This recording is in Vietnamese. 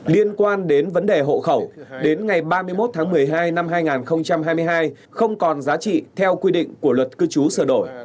liên quan đến vấn đề hộ khẩu đến ngày ba mươi một tháng một mươi hai năm hai nghìn hai mươi hai không còn giá trị theo quy định của luật cư trú sửa đổi